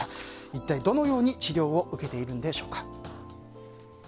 一体どのように治療を受けているんでしょうか。